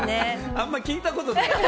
あんまり聞いたことない。